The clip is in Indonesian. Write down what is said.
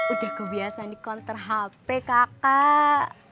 udah kebiasaan di konter hp kakak